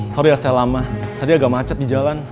sorry ya saya lama tadi agak macet di jalan